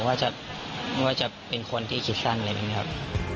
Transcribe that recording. ว่าจะไม่ว่าจะเป็นคนที่คิดสั้นอะไรแบบนี้ครับ